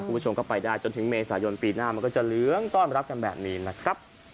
คุณผู้ชมก็ไปได้จนถึงเมษายนปีหน้ามันก็จะเหลืองต้อนรับกันแบบนี้นะครับ